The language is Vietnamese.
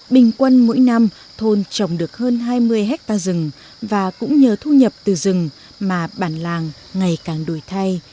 bình quân mỗi năm thôn trồng được hơn hai mươi hectare rừng và cũng nhờ thu nhập từ rừng mà bản làng ngày càng đổi thay